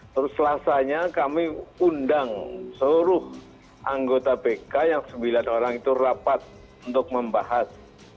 terus selasanya kami undang seluruh anggota bk yang sembilan orang itu rapat untuk membahas